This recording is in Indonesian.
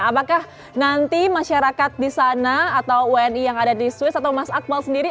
apakah nanti masyarakat di sana atau wni yang ada di swiss atau mas akmal sendiri